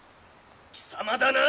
貴様だな